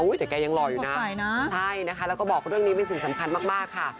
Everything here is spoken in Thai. แต่แกยังรออยู่นะใช่นะคะแล้วก็บอกเรื่องนี้เป็นสิ่งสำคัญมากค่ะ